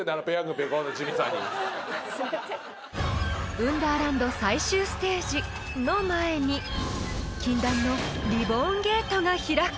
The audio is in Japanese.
［運ダーランド最終ステージの前に禁断のリボーンゲートが開く］